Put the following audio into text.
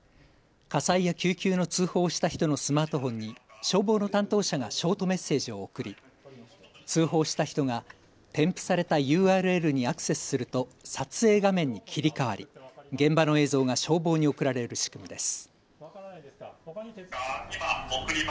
火災や救急の通報した人のスマートフォンに消防の担当者がショートメッセージを送り通報した人が添付されたＵＲＬにアクセスすると撮影画面に切り替わり現場の映像が消防に送られる仕組みです。